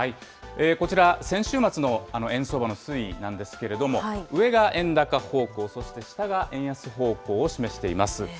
こちら、先週末の円相場の推移なんですけれども、上が円高方向、そして下が円安方向を示しています。